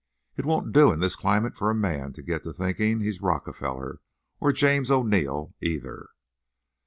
It won't do in this climate for a man to get to thinking he's Rockefeller, or James O'Neill either."